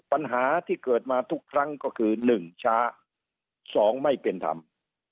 ปัญหาที่เกิดมาทุกครั้งก็คือหนึ่งช้าสองไม่เป็นทำ